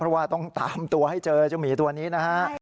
เพราะว่าต้องตามตัวให้เจอเจ้าหมีตัวนี้นะฮะ